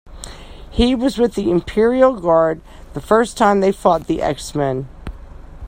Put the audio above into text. He was with the Imperial Guard the first time they fought the X-Men.